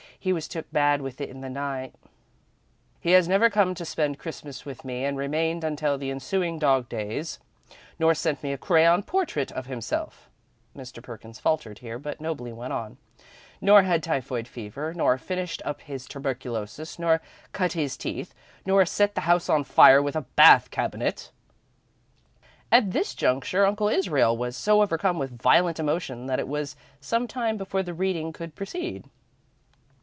"He was took bad with it in the night." "He has never come to spend Christmas with me and remained until the ensuing dog days, nor sent me a crayon portrait of himself" Mr. Perkins faltered here, but nobly went on "nor had typhoid fever, nor finished up his tuberculosis, nor cut teeth, nor set the house on fire with a bath cabinet " At this juncture Uncle Israel was so overcome with violent emotion that it was some time before the reading could proceed.